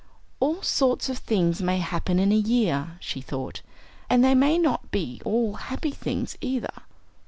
"All sorts of things may happen in a year," she thought, "and they may not be all happy things, either."